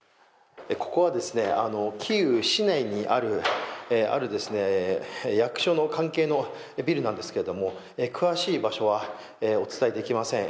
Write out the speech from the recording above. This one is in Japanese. ここは、キーウ市内にある役所の関係のビルなんですけれど、詳しい場所はお伝えできません。